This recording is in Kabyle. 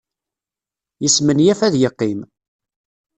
Yesmenyaf ad yeqqim.